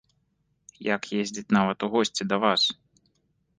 Як ездзіць нават у госці да вас?!